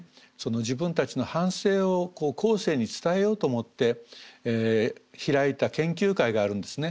自分たちの反省を後世に伝えようと思って開いた研究会があるんですね。